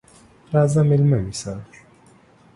راځه مېلمه مې سه!